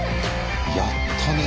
やったね。